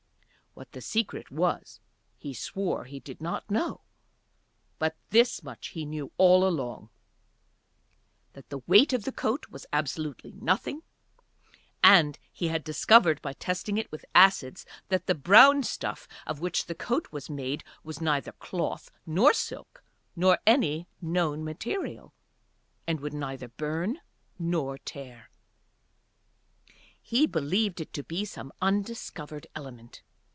What the secret was he swore he did not know, but this much he knew all along, that the weight of the coat was absolutely nothing; and he had discovered by testing it with acids that the brown stuff of which the coat was made was neither cloth nor silk nor any known material, and would neither burn nor tear. He believed it to be some undiscovered element.